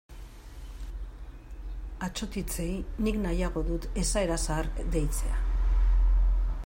Atsotitzei nik nahiago dut esaera zahar deitzea.